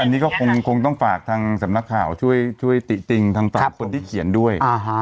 อันนี้ก็คงต้องฝากทางสำนักข่าวช่วยติติงทางฝั่งคนที่เขียนด้วย